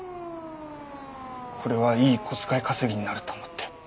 これはいい小遣い稼ぎになると思って。